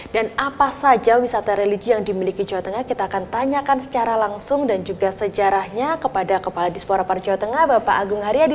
dan apa saja wisata religi yang dimiliki jawa tengah kita akan tanyakan secara langsung dan juga sejarahnya kepada kepala disporapar jawa tengah bapak agung hariadi